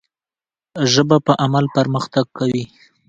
ژبه په عمل پرمختګ کوي.